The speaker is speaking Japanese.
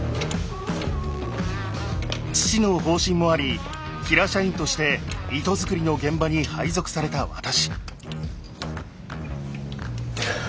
父の方針もあり平社員として糸づくりの現場に配属された私。